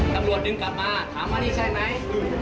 นักรวจดึงกลับมาถามอันนี้ใช่ไหม